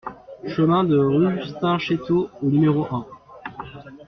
Chemin de Rustinchetto au numéro un